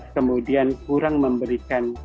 kemudian kurang memberikan jaminan keamanan